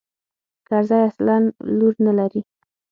کرزى اصلاً لور نه لري.